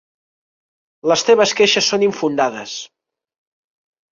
Les teves queixes són infundades.